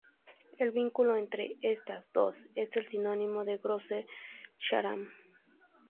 El vínculo entre estas dos es el sinónimo de Grosse Syrah.